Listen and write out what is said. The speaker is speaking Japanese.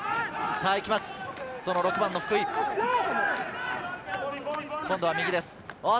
６番・福井、今度は右です。